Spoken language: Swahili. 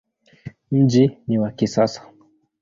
Mji ni wa kisasa.